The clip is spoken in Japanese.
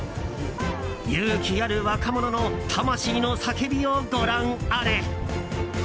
勇気ある若者の魂の叫びをご覧あれ。